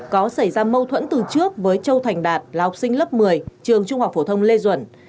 có xảy ra mâu thuẫn từ trước với châu thành đạt là học sinh lớp một mươi trường trung học phổ thông lê duẩn